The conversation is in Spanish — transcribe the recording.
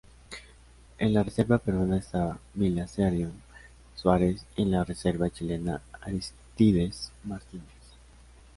En la reserva peruana estaba Belisario Suárez y en la reserva chilena Arístides Martínez.